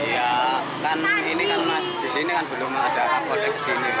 ya kan ini kan mas di sini kan belum ada kapolda ke sini